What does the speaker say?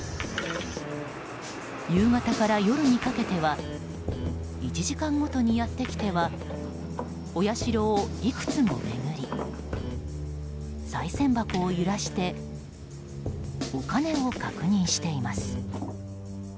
夕方から夜にかけては１時間ごとにやってきてはお社をいくつも巡りさい銭箱を揺らしてお金を確認しています。